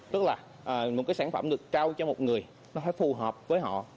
tức là một cái sản phẩm được trao cho một người nó phải phù hợp với họ